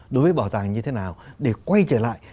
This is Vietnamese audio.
đối với bảo tàng như thế nào để quay trở lại